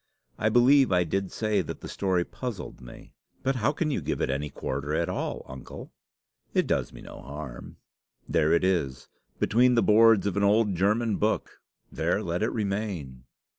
I believe I did say that the story puzzled me." "But how can you give it any quarter at all, uncle?" "It does me no harm. There it is between the boards of an old German book. There let it remain."